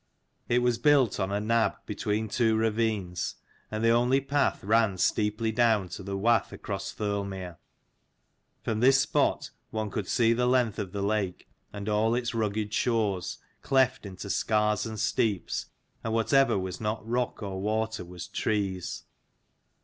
It was built on a nab between two ravines, and the only path ran steeply down to the wath across Thirlmere. From this spot one could see the length of the lake and all its rugged shores, cleft into scars and steeps, and whatever was not rock or water was trees.